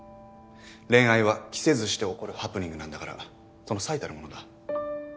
恋愛は期せずして起こるハプニングなんだからその最たるものだ。